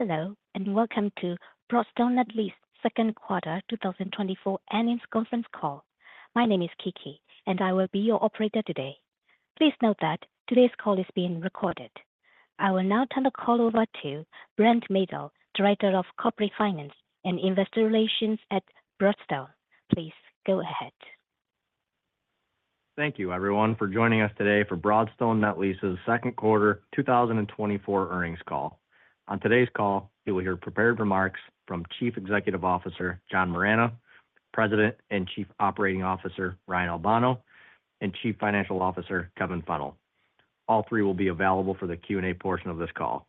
Hello, and welcome to Broadstone Net Lease Second Quarter 2024 Annual Conference Call. My name is Kiki, and I will be your operator today. Please note that today's call is being recorded. I will now turn the call over to Brent Maedl, Director of Corporate Finance and Investor Relations at Broadstone. Please go ahead. Thank you, everyone, for joining us today for Broadstone Net Lease's Second Quarter 2024 Earnings Call. On today's call, you will hear prepared remarks from Chief Executive Officer John Moragne, President and Chief Operating Officer Ryan Albano, and Chief Financial Officer Kevin Fennell. All three will be available for the Q&A portion of this call.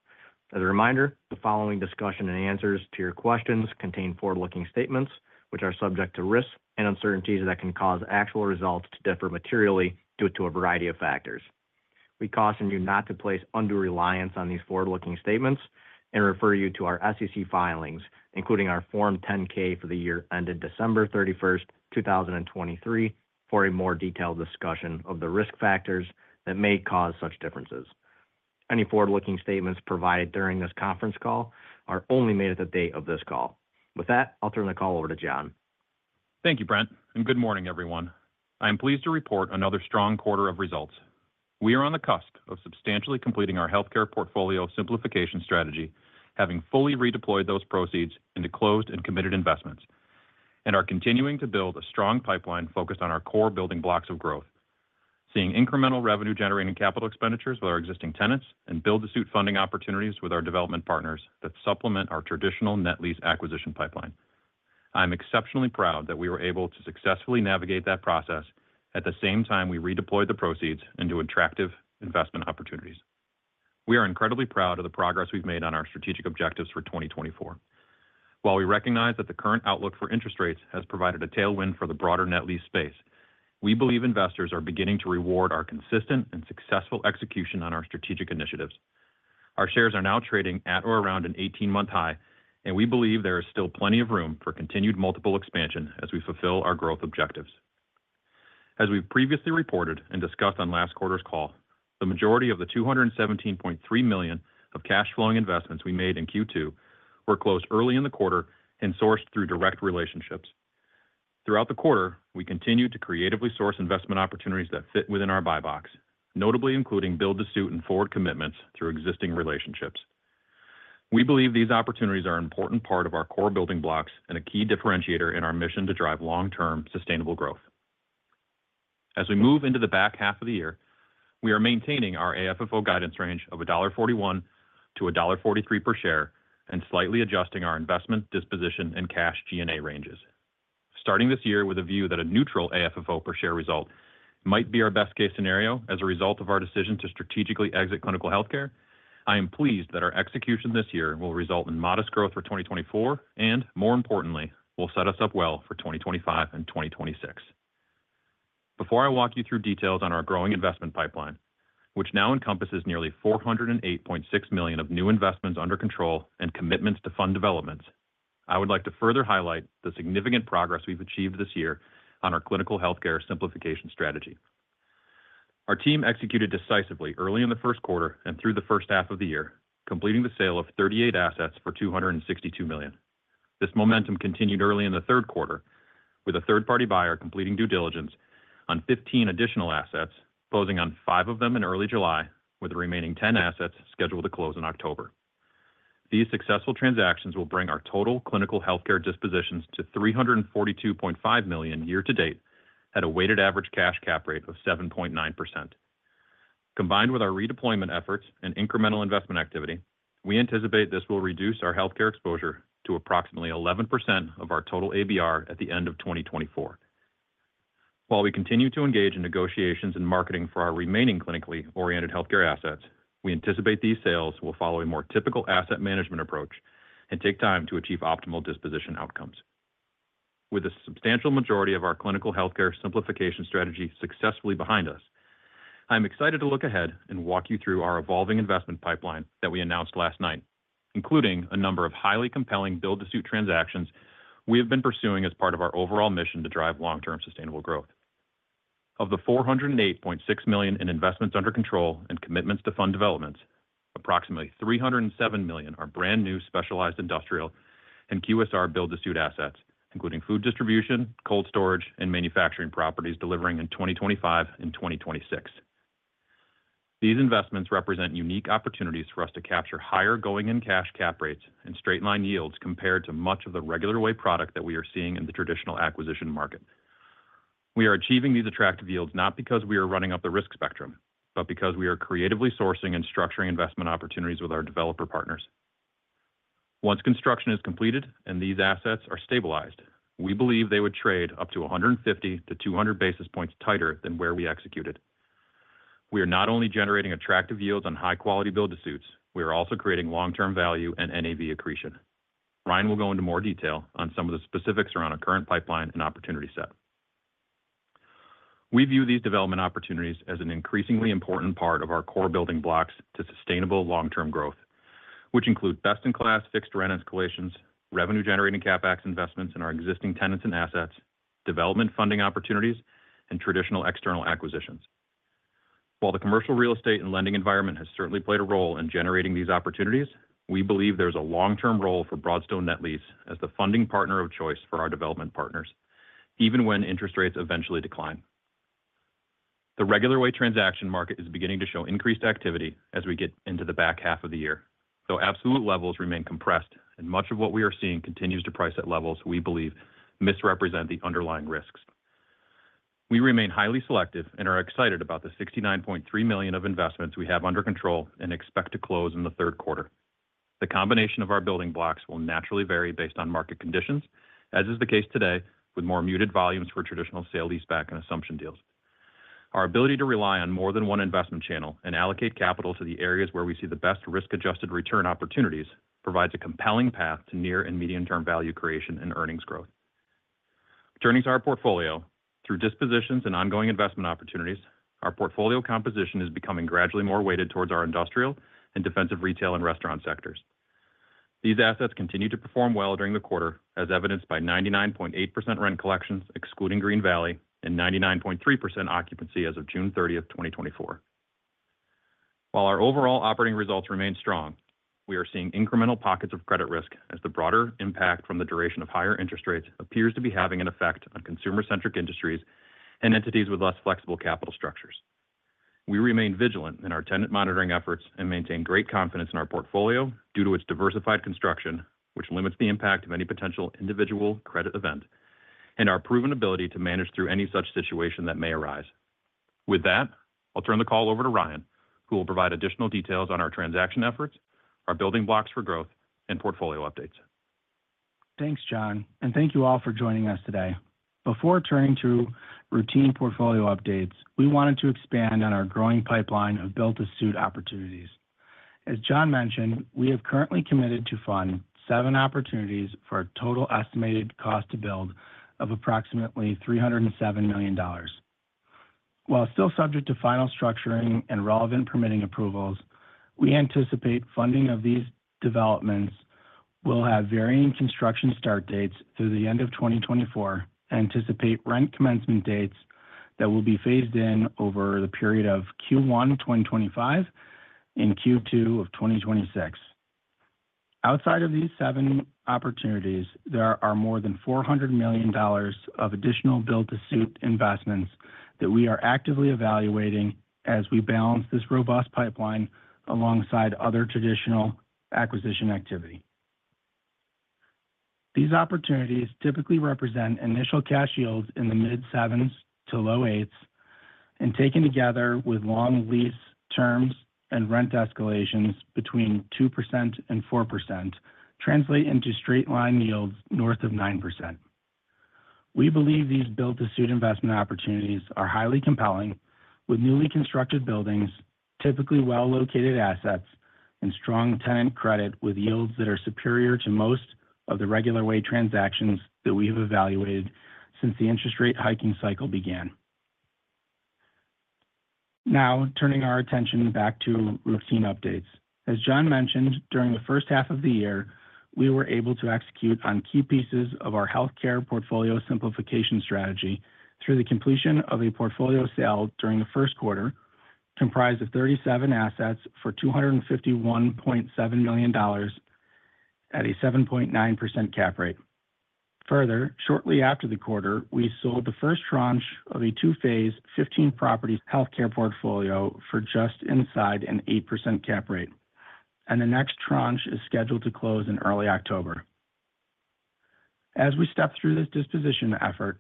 As a reminder, the following discussion and answers to your questions contain forward-looking statements, which are subject to risks and uncertainties that can cause actual results to differ materially due to a variety of factors. We caution you not to place undue reliance on these forward-looking statements and refer you to our SEC filings, including our Form 10-K for the year ended December 31st, 2023, for a more detailed discussion of the risk factors that may cause such differences. Any forward-looking statements provided during this conference call are only made at the date of this call. With that, I'll turn the call over to John. Thank you, Brent, and good morning, everyone. I am pleased to report another strong quarter of results. We are on the cusp of substantially completing our healthcare portfolio simplification strategy, having fully redeployed those proceeds into closed and committed investments, and are continuing to build a strong pipeline focused on our core building blocks of growth, seeing incremental revenue-generating capital expenditures with our existing tenants and build-to-suit funding opportunities with our development partners that supplement our traditional net lease acquisition pipeline. I am exceptionally proud that we were able to successfully navigate that process at the same time we redeployed the proceeds into attractive investment opportunities. We are incredibly proud of the progress we've made on our strategic objectives for 2024. While we recognize that the current outlook for interest rates has provided a tailwind for the broader net lease space, we believe investors are beginning to reward our consistent and successful execution on our strategic initiatives. Our shares are now trading at or around an 18-month high, and we believe there is still plenty of room for continued multiple expansion as we fulfill our growth objectives. As we've previously reported and discussed on last quarter's call, the majority of the $217.3 million of cash-flowing investments we made in Q2 were closed early in the quarter and sourced through direct relationships. Throughout the quarter, we continued to creatively source investment opportunities that fit within our buy box, notably including build-to-suit and forward commitments through existing relationships. We believe these opportunities are an important part of our core building blocks and a key differentiator in our mission to drive long-term sustainable growth. As we move into the back half of the year, we are maintaining our AFFO guidance range of $1.41-$1.43 per share and slightly adjusting our investment, disposition, and cash G&A ranges. Starting this year with a view that a neutral AFFO per share result might be our best-case scenario as a result of our decision to strategically exit clinical healthcare, I am pleased that our execution this year will result in modest growth for 2024 and, more importantly, will set us up well for 2025 and 2026. Before I walk you through details on our growing investment pipeline, which now encompasses nearly $408.6 million of new investments under control and commitments to fund developments, I would like to further highlight the significant progress we've achieved this year on our clinical healthcare simplification strategy. Our team executed decisively early in the first quarter and through the first half of the year, completing the sale of 38 assets for $262 million. This momentum continued early in the third quarter, with a third-party buyer completing due diligence on 15 additional assets, closing on 5 of them in early July, with the remaining 10 assets scheduled to close in October. These successful transactions will bring our total clinical healthcare dispositions to $342.5 million year-to-date at a weighted average cash cap rate of 7.9%. Combined with our redeployment efforts and incremental investment activity, we anticipate this will reduce our healthcare exposure to approximately 11% of our total ABR at the end of 2024. While we continue to engage in negotiations and marketing for our remaining clinically oriented healthcare assets, we anticipate these sales will follow a more typical asset management approach and take time to achieve optimal disposition outcomes. With the substantial majority of our clinical healthcare simplification strategy successfully behind us, I am excited to look ahead and walk you through our evolving investment pipeline that we announced last night, including a number of highly compelling build-to-suit transactions we have been pursuing as part of our overall mission to drive long-term sustainable growth. Of the $408.6 million in investments under control and commitments to fund developments, approximately $307 million are brand-new specialized industrial and QSR build-to-suit assets, including food distribution, cold storage, and manufacturing properties delivering in 2025 and 2026. These investments represent unique opportunities for us to capture higher going-in cash cap rates and straight-line yields compared to much of the regular-way product that we are seeing in the traditional acquisition market. We are achieving these attractive yields not because we are running up the risk spectrum, but because we are creatively sourcing and structuring investment opportunities with our developer partners. Once construction is completed and these assets are stabilized, we believe they would trade up to 150-200 basis points tighter than where we executed. We are not only generating attractive yields on high-quality build-to-suits, we are also creating long-term value and NAV accretion. Ryan will go into more detail on some of the specifics around our current pipeline and opportunity set. We view these development opportunities as an increasingly important part of our core building blocks to sustainable long-term growth, which include best-in-class fixed rent escalations, revenue-generating CapEx investments in our existing tenants and assets, development funding opportunities, and traditional external acquisitions. While the commercial real estate and lending environment has certainly played a role in generating these opportunities, we believe there is a long-term role for Broadstone Net Lease as the funding partner of choice for our development partners, even when interest rates eventually decline. The regular-way transaction market is beginning to show increased activity as we get into the back half of the year, though absolute levels remain compressed and much of what we are seeing continues to price at levels we believe misrepresent the underlying risks. We remain highly selective and are excited about the $69.3 million of investments we have under control and expect to close in the third quarter. The combination of our building blocks will naturally vary based on market conditions, as is the case today with more muted volumes for traditional sale-leaseback and assumption deals. Our ability to rely on more than one investment channel and allocate capital to the areas where we see the best risk-adjusted return opportunities provides a compelling path to near and medium-term value creation and earnings growth. Turning to our portfolio, through dispositions and ongoing investment opportunities, our portfolio composition is becoming gradually more weighted towards our industrial and defensive retail and restaurant sectors. These assets continue to perform well during the quarter, as evidenced by 99.8% rent collections excluding Green Valley and 99.3% occupancy as of June 30th, 2024. While our overall operating results remain strong, we are seeing incremental pockets of credit risk as the broader impact from the duration of higher interest rates appears to be having an effect on consumer-centric industries and entities with less flexible capital structures. We remain vigilant in our tenant monitoring efforts and maintain great confidence in our portfolio due to its diversified construction, which limits the impact of any potential individual credit event, and our proven ability to manage through any such situation that may arise. With that, I'll turn the call over to Ryan, who will provide additional details on our transaction efforts, our building blocks for growth, and portfolio updates. Thanks, John, and thank you all for joining us today. Before turning to routine portfolio updates, we wanted to expand on our growing pipeline of build-to-suit opportunities. As John mentioned, we have currently committed to fund seven opportunities for a total estimated cost to build of approximately $307 million. While still subject to final structuring and relevant permitting approvals, we anticipate funding of these developments will have varying construction start dates through the end of 2024 and anticipate rent commencement dates that will be phased in over the period of Q1 2025 and Q2 of 2026. Outside of these seven opportunities, there are more than $400 million of additional build-to-suit investments that we are actively evaluating as we balance this robust pipeline alongside other traditional acquisition activity. These opportunities typically represent initial cash yields in the mid-7s to low-8s, and taken together with long lease terms and rent escalations between 2% and 4%, translate into straight-line yields north of 9%. We believe these build-to-suit investment opportunities are highly compelling, with newly constructed buildings, typically well-located assets, and strong tenant credit with yields that are superior to most of the regular-way transactions that we have evaluated since the interest rate hiking cycle began. Now, turning our attention back to routine updates. As John mentioned, during the first half of the year, we were able to execute on key pieces of our healthcare portfolio simplification strategy through the completion of a portfolio sale during the first quarter, comprised of 37 assets for $251.7 million at a 7.9% cap rate. Further, shortly after the quarter, we sold the first tranche of a two-phase, 15-property healthcare portfolio for just inside an 8% cap rate, and the next tranche is scheduled to close in early October. As we step through this disposition effort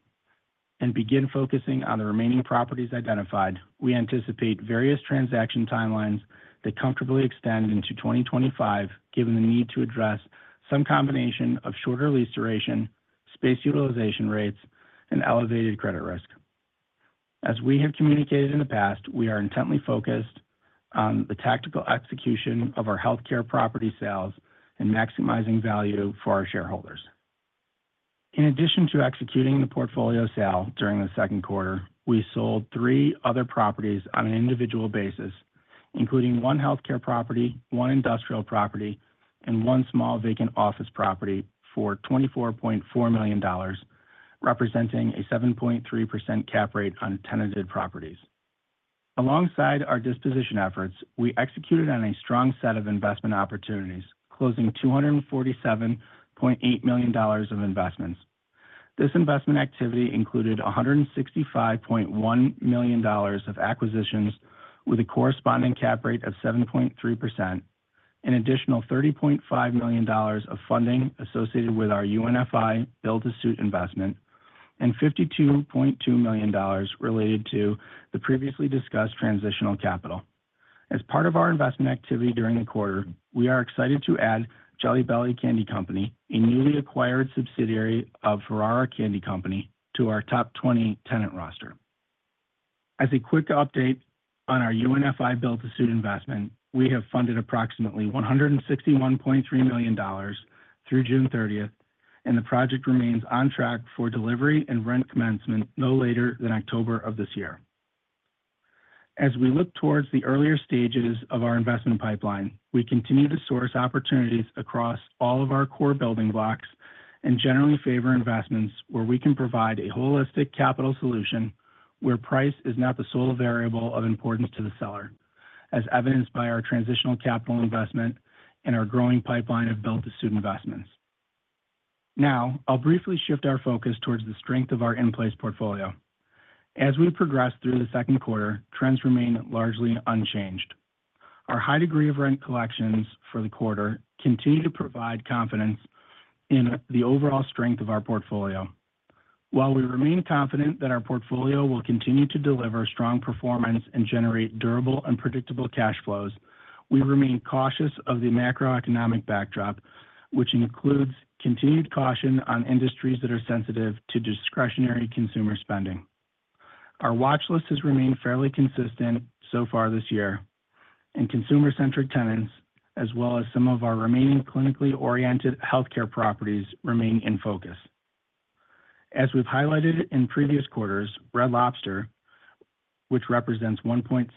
and begin focusing on the remaining properties identified, we anticipate various transaction timelines that comfortably extend into 2025, given the need to address some combination of shorter lease duration, space utilization rates, and elevated credit risk. As we have communicated in the past, we are intently focused on the tactical execution of our healthcare property sales and maximizing value for our shareholders. In addition to executing the portfolio sale during the second quarter, we sold three other properties on an individual basis, including one healthcare property, one industrial property, and one small vacant office property for $24.4 million, representing a 7.3% cap rate on tenanted properties. Alongside our disposition efforts, we executed on a strong set of investment opportunities, closing $247.8 million of investments. This investment activity included $165.1 million of acquisitions with a corresponding cap rate of 7.3%, an additional $30.5 million of funding associated with our UNFI build-to-suit investment, and $52.2 million related to the previously discussed transitional capital. As part of our investment activity during the quarter, we are excited to add Jelly Belly Candy Company, a newly acquired subsidiary of Ferrara Candy Company, to our top 20 tenant roster. As a quick update on our UNFI build-to-suit investment, we have funded approximately $161.3 million through June 30th, and the project remains on track for delivery and rent commencement no later than October of this year. As we look towards the earlier stages of our investment pipeline, we continue to source opportunities across all of our core building blocks and generally favor investments where we can provide a holistic capital solution where price is not the sole variable of importance to the seller, as evidenced by our transitional capital investment and our growing pipeline of build-to-suit investments. Now, I'll briefly shift our focus towards the strength of our in-place portfolio. As we progress through the second quarter, trends remain largely unchanged. Our high degree of rent collections for the quarter continue to provide confidence in the overall strength of our portfolio. While we remain confident that our portfolio will continue to deliver strong performance and generate durable and predictable cash flows, we remain cautious of the macroeconomic backdrop, which includes continued caution on industries that are sensitive to discretionary consumer spending. Our watch list has remained fairly consistent so far this year, and consumer-centric tenants, as well as some of our remaining clinically oriented healthcare properties, remain in focus. As we've highlighted in previous quarters, Red Lobster, which represents 1.6%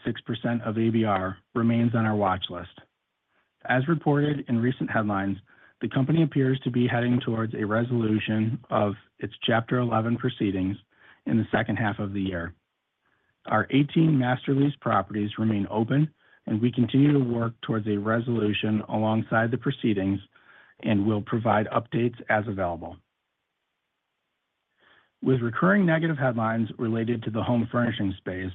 of ABR, remains on our watch list. As reported in recent headlines, the company appears to be heading towards a resolution of its Chapter 11 proceedings in the second half of the year. Our 18 master lease properties remain open, and we continue to work towards a resolution alongside the proceedings and will provide updates as available. With recurring negative headlines related to the home furnishing space,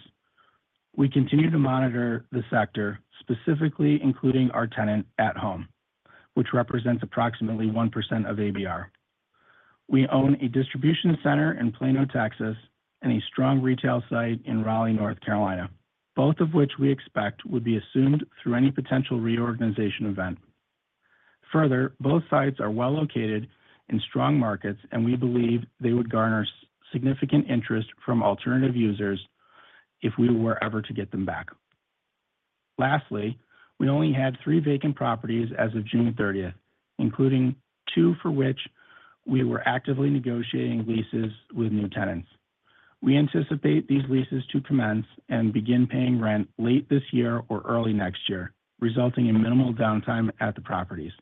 we continue to monitor the sector, specifically including our tenant At Home, which represents approximately 1% of ABR. We own a distribution center in Plano, Texas, and a strong retail site in Raleigh, North Carolina, both of which we expect would be assumed through any potential reorganization event. Further, both sites are well located in strong markets, and we believe they would garner significant interest from alternative users if we were ever to get them back. Lastly, we only had three vacant properties as of June 30th, including two for which we were actively negotiating leases with new tenants. We anticipate these leases to commence and begin paying rent late this year or early next year, resulting in minimal downtime at the properties.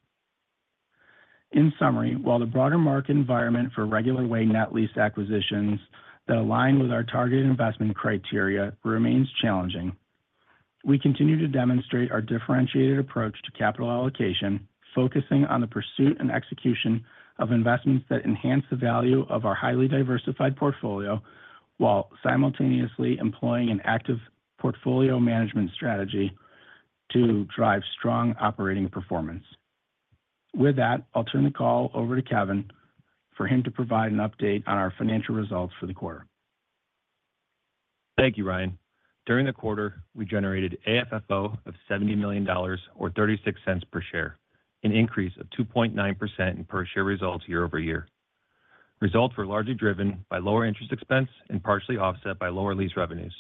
In summary, while the broader market environment for regular-way net lease acquisitions that align with our targeted investment criteria remains challenging, we continue to demonstrate our differentiated approach to capital allocation, focusing on the pursuit and execution of investments that enhance the value of our highly diversified portfolio while simultaneously employing an active portfolio management strategy to drive strong operating performance. With that, I'll turn the call over to Kevin for him to provide an update on our financial results for the quarter. Thank you, Ryan. During the quarter, we generated AFFO of $70 million or 36 cents per share, an increase of 2.9% in per-share results year over year. Results were largely driven by lower interest expense and partially offset by lower lease revenues,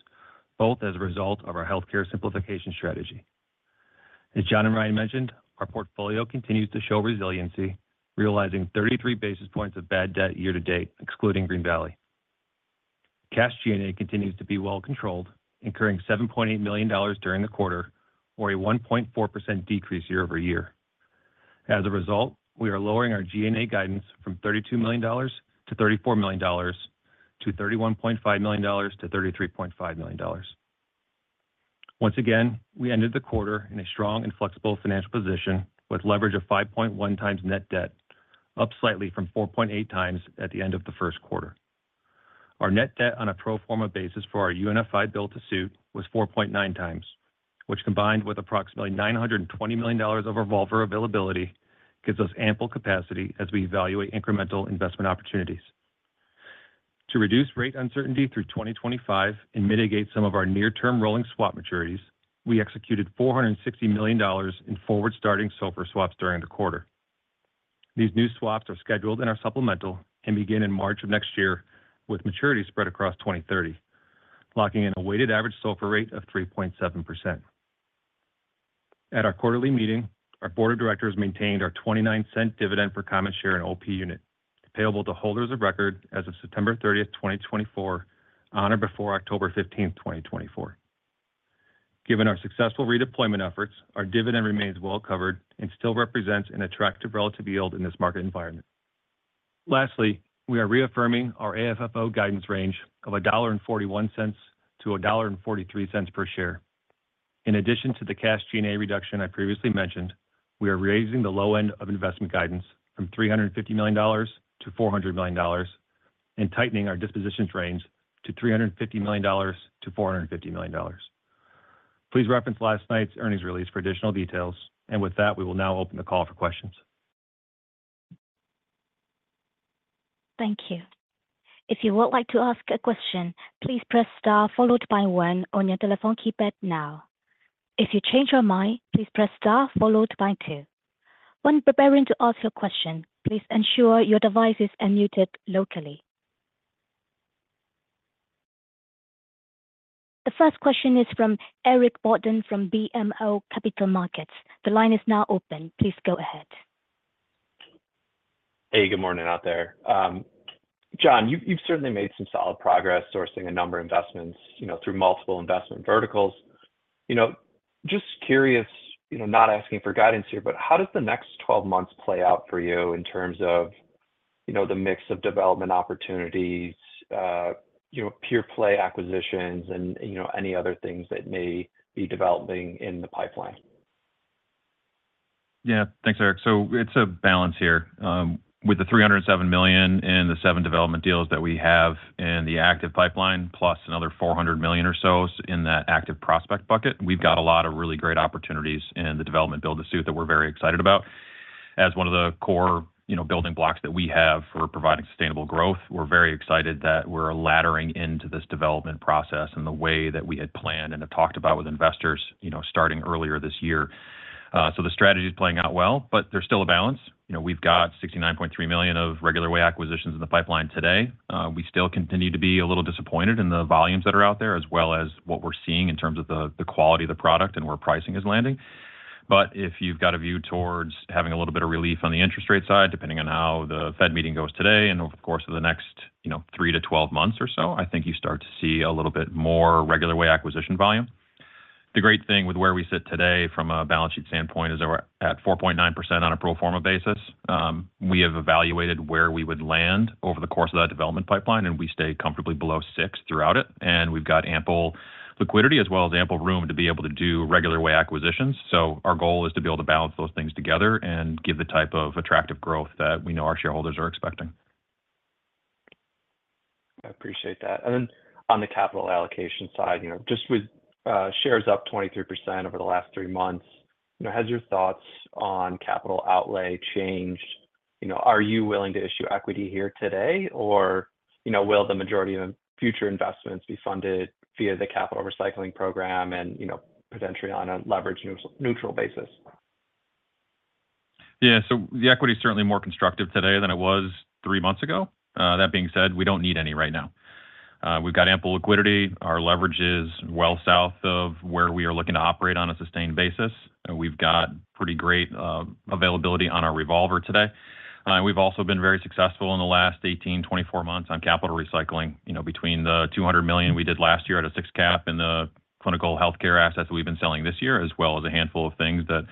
both as a result of our healthcare simplification strategy. As John and Ryan mentioned, our portfolio continues to show resiliency, realizing 33 basis points of bad debt year to date, excluding Green Valley. Cash G&A continues to be well controlled, incurring $7.8 million during the quarter, or a 1.4% decrease year over year. As a result, we are lowering our G&A guidance from $32 million-$34 million to $31.5 million-$33.5 million. Once again, we ended the quarter in a strong and flexible financial position with leverage of 5.1x net debt, up slightly from 4.8x at the end of the first quarter. Our net debt on a pro forma basis for our UNFI build-to-suit was 4.9x, which, combined with approximately $920 million of our revolver availability, gives us ample capacity as we evaluate incremental investment opportunities. To reduce rate uncertainty through 2025 and mitigate some of our near-term rolling swap maturities, we executed $460 million in forward-starting SOFR swaps during the quarter. These new swaps are scheduled and are supplemental and begin in March of next year with maturity spread across 2030, locking in a weighted average SOFR rate of 3.7%. At our quarterly meeting, our board of directors maintained our $0.29 dividend for common shares and OP units, payable to holders of record as of September 30th, 2024, on or before October 15th, 2024. Given our successful redeployment efforts, our dividend remains well covered and still represents an attractive relative yield in this market environment. Lastly, we are reaffirming our AFFO guidance range of $1.41-$1.43 per share. In addition to the cash G&A reduction I previously mentioned, we are raising the low end of investment guidance from $350 million to $400 million and tightening our dispositions range to $350 million-$450 million. Please reference last night's earnings release for additional details, and with that, we will now open the call for questions. Thank you. If you would like to ask a question, please press star followed by one on your telephone keypad now. If you change your mind, please press star followed by two. When preparing to ask your question, please ensure your device is unmuted locally. The first question is from Eric Borden from BMO Capital Markets. The line is now open. Please go ahead. Hey, good morning out there. John, you've certainly made some solid progress sourcing a number of investments through multiple investment verticals. Just curious, not asking for guidance here, but how does the next 12 months play out for you in terms of the mix of development opportunities, pure play acquisitions, and any other things that may be developing in the pipeline? Yeah, thanks, Eric. So it's a balance here. With the $307 million and the 7 development deals that we have in the active pipeline, plus another $400 million or so in that active prospect bucket, we've got a lot of really great opportunities in the development build-to-suit that we're very excited about. As one of the core building blocks that we have for providing sustainable growth, we're very excited that we're laddering into this development process in the way that we had planned and have talked about with investors starting earlier this year. So the strategy is playing out well, but there's still a balance. We've got $69.3 million of regular-way acquisitions in the pipeline today. We still continue to be a little disappointed in the volumes that are out there, as well as what we're seeing in terms of the quality of the product and where pricing is landing. But if you've got a view towards having a little bit of relief on the interest rate side, depending on how the Fed meeting goes today and over the course of the next 3-12 months or so, I think you start to see a little bit more regular-way acquisition volume. The great thing with where we sit today from a balance sheet standpoint is we're at 4.9% on a pro forma basis. We have evaluated where we would land over the course of that development pipeline, and we stay comfortably below 6 throughout it. And we've got ample liquidity as well as ample room to be able to do regular-way acquisitions. So our goal is to be able to balance those things together and give the type of attractive growth that we know our shareholders are expecting. I appreciate that. And then on the capital allocation side, just with shares up 23% over the last three months, has your thoughts on capital outlay changed? Are you willing to issue equity here today, or will the majority of future investments be funded via the capital recycling program and potentially on a leverage neutral basis? Yeah, so the equity is certainly more constructive today than it was 3 months ago. That being said, we don't need any right now. We've got ample liquidity. Our leverage is well south of where we are looking to operate on a sustained basis. We've got pretty great availability on our revolver today. We've also been very successful in the last 18, 24 months on capital recycling between the $200 million we did last year at a 6-cap and the clinical healthcare assets that we've been selling this year, as well as a handful of things that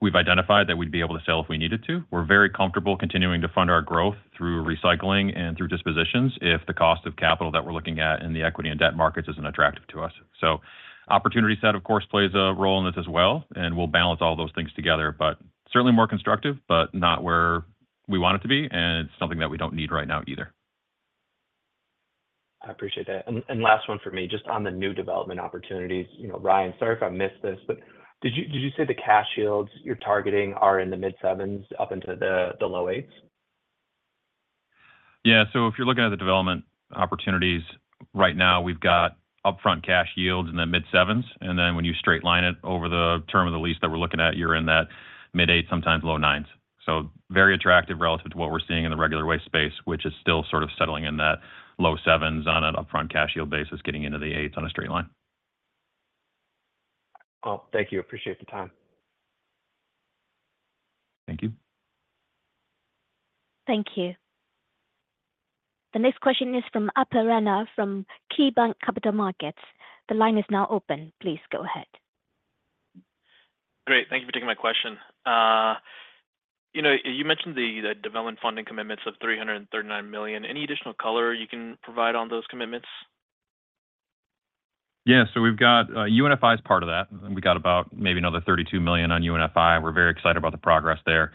we've identified that we'd be able to sell if we needed to. We're very comfortable continuing to fund our growth through recycling and through dispositions if the cost of capital that we're looking at in the equity and debt markets isn't attractive to us. Opportunity set, of course, plays a role in this as well, and we'll balance all those things together, but certainly more constructive, but not where we want it to be, and it's something that we don't need right now either. I appreciate that. Last one for me, just on the new development opportunities. Ryan, sorry if I missed this, but did you say the cash yields you're targeting are in the mid-sevens up into the low eights? Yeah, so if you're looking at the development opportunities right now, we've got upfront cash yields in the mid-7s. And then when you straight-line it over the term of the lease that we're looking at, you're in that mid-8, sometimes low 9s. So very attractive relative to what we're seeing in the regular-way space, which is still sort of settling in that low 7s on an upfront cash yield basis, getting into the 8s on a straight-line. Well, thank you. Appreciate the time. Thank you. Thank you. The next question is from Upal Rana from KeyBanc Capital Markets. The line is now open. Please go ahead. Great. Thank you for taking my question. You mentioned the development funding commitments of $339 million. Any additional color you can provide on those commitments? Yeah, so we've got UNFI is part of that. We got about maybe another $32 million on UNFI. We're very excited about the progress there.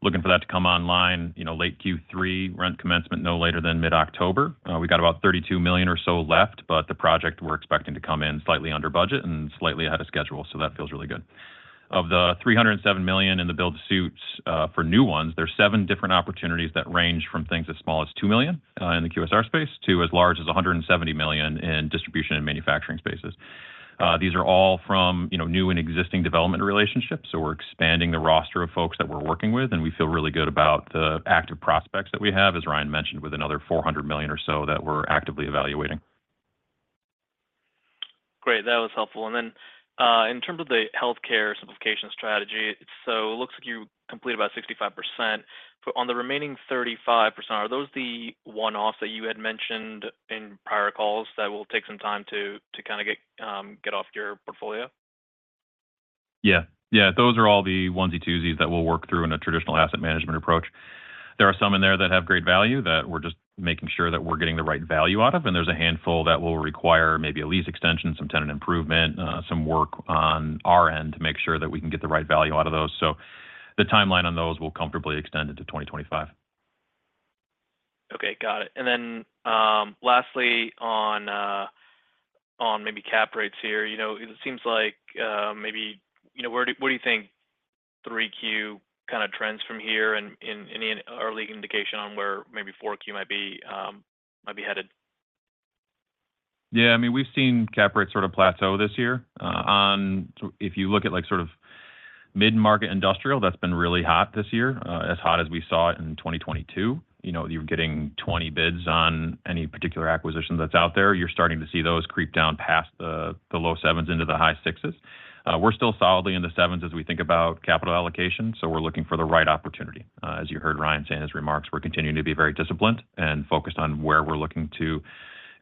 Looking for that to come online, late Q3, rent commencement no later than mid-October. We got about $32 million or so left, but the project we're expecting to come in slightly under budget and slightly ahead of schedule, so that feels really good. Of the $307 million in the build-to-suits for new ones, there are seven different opportunities that range from things as small as $2 million in the QSR space to as large as $170 million in distribution and manufacturing spaces. These are all from new and existing development relationships, so we're expanding the roster of folks that we're working with, and we feel really good about the active prospects that we have, as Ryan mentioned, with another $400 million or so that we're actively evaluating. Great. That was helpful. And then in terms of the healthcare simplification strategy, so it looks like you completed about 65%. But on the remaining 35%, are those the one-offs that you had mentioned in prior calls that will take some time to kind of get off your portfolio? Yeah. Yeah, those are all the onesie-twosies that we'll work through in a traditional asset management approach. There are some in there that have great value that we're just making sure that we're getting the right value out of, and there's a handful that will require maybe a lease extension, some tenant improvement, some work on our end to make sure that we can get the right value out of those. So the timeline on those will comfortably extend into 2025. Okay. Got it. And then lastly, on maybe cap rates here, it seems like maybe what do you think 3Q kind of trends from here and any early indication on where maybe 4Q might be headed? Yeah. I mean, we've seen cap rates sort of plateau this year. If you look at sort of mid-market industrial, that's been really hot this year, as hot as we saw it in 2022. You're getting 20 bids on any particular acquisition that's out there. You're starting to see those creep down past the low sevens into the high sixes. We're still solidly in the sevens as we think about capital allocation, so we're looking for the right opportunity. As you heard Ryan say in his remarks, we're continuing to be very disciplined and focused on where we're looking to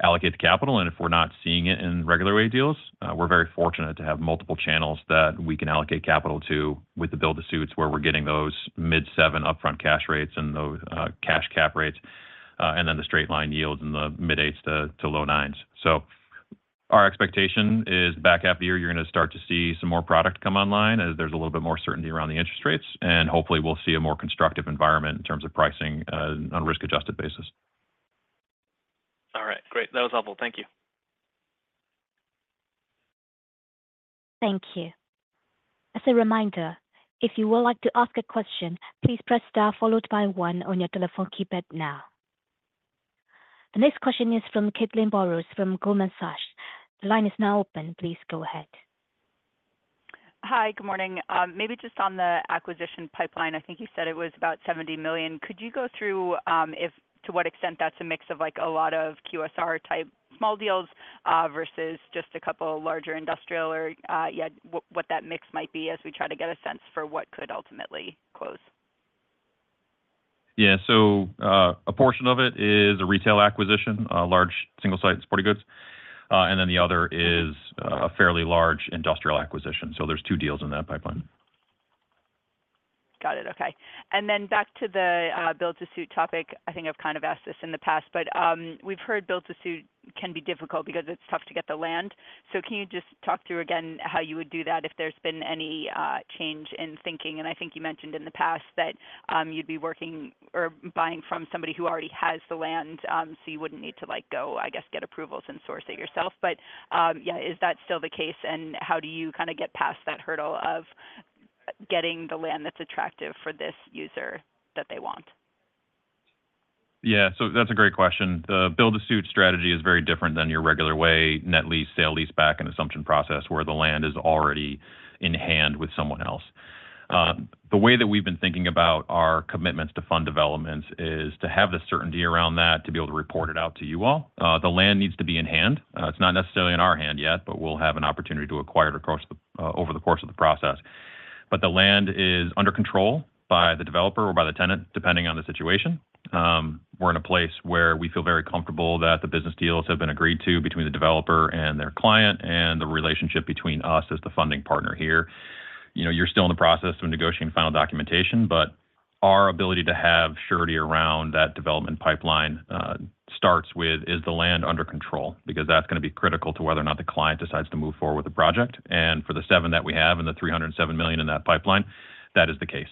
allocate the capital. If we're not seeing it in regular-way deals, we're very fortunate to have multiple channels that we can allocate capital to with the build-to-suits where we're getting those mid-7 upfront cash rates and those cash cap rates, and then the straight line yields in the mid-8s to low 9s. Our expectation is back after the year, you're going to start to see some more product come online as there's a little bit more certainty around the interest rates, and hopefully, we'll see a more constructive environment in terms of pricing on a risk-adjusted basis. All right. Great. That was helpful. Thank you. Thank you. As a reminder, if you would like to ask a question, please press star followed by one on your telephone keypad now. The next question is from Caitlin Burrows from Goldman Sachs. The line is now open. Please go ahead. Hi, good morning. Maybe just on the acquisition pipeline, I think you said it was about $70 million. Could you go through to what extent that's a mix of a lot of QSR-type small deals versus just a couple of larger industrial, or yeah, what that mix might be as we try to get a sense for what could ultimately close? Yeah. So a portion of it is a retail acquisition, a large single-site sporting goods, and then the other is a fairly large industrial acquisition. So there's two deals in that pipeline. Got it. Okay. And then back to the build-to-suit topic, I think I've kind of asked this in the past, but we've heard build-to-suit can be difficult because it's tough to get the land. So can you just talk through again how you would do that if there's been any change in thinking? And I think you mentioned in the past that you'd be working or buying from somebody who already has the land, so you wouldn't need to go, I guess, get approvals and source it yourself. But yeah, is that still the case, and how do you kind of get past that hurdle of getting the land that's attractive for this user that they want? Yeah. So that's a great question. The build-to-suit strategy is very different than your regular-way net lease, sale lease-back, and assumption process where the land is already in hand with someone else. The way that we've been thinking about our commitments to fund developments is to have the certainty around that to be able to report it out to you all. The land needs to be in hand. It's not necessarily in our hand yet, but we'll have an opportunity to acquire it over the course of the process. But the land is under control by the developer or by the tenant, depending on the situation. We're in a place where we feel very comfortable that the business deals have been agreed to between the developer and their client and the relationship between us as the funding partner here. You're still in the process of negotiating final documentation, but our ability to have surety around that development pipeline starts with, is the land under control? Because that's going to be critical to whether or not the client decides to move forward with the project. And for the seven that we have and the $307 million in that pipeline, that is the case.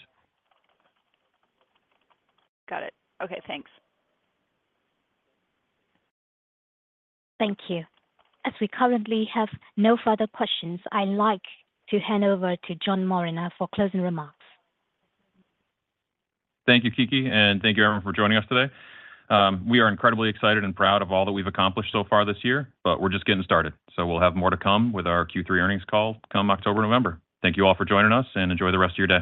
Got it. Okay. Thanks. Thank you. As we currently have no further questions, I'd like to hand over to John Moragne now for closing remarks. Thank you, Kiki, and thank you, everyone, for joining us today. We are incredibly excited and proud of all that we've accomplished so far this year, but we're just getting started. We'll have more to come with our Q3 earnings call come October and November. Thank you all for joining us, and enjoy the rest of your day.